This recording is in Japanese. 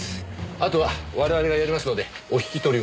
あとは我々がやりますのでお引き取りを。